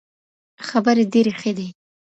خبري ډېري ښې دي